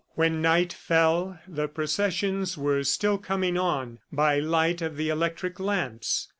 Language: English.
When night fell the processions were still coming on, by light of the electric lamps.